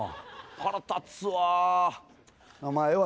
腹立つわ。